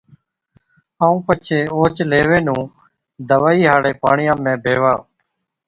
ائُون پڇي اوهچ ليوي نُون دَوائِي هاڙي پاڻِيان ۾ ڀيوا